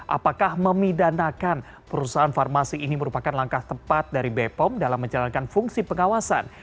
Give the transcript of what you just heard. apakah memidanakan perusahaan farmasi ini merupakan langkah tepat dari bepom dalam menjalankan fungsi pengawasan